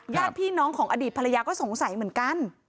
ญาติพี่น้องของอดีตภรรยาก็สงสัยเหมือนกัน